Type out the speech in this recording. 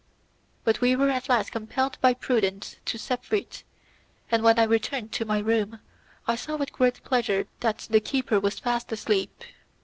But we were at last compelled by prudence to separate, and when I returned to my room I saw with great pleasure that the keeper was fast asleep.